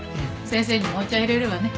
先生にお茶入れるわね。